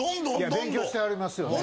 勉強してはりますよね。